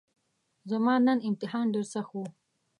زما نن امتحان ډیرسخت وو